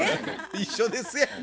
一緒ですやん。